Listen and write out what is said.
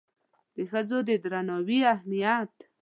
د ښځو د درناوي اهمیت